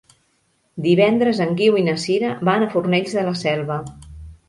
Divendres en Guiu i na Sira van a Fornells de la Selva.